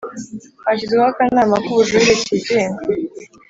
Hashyizweho akanama k ubujirire kigenga